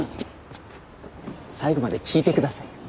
最後まで聞いてくださいよ。